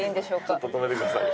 ちょっと止めてください。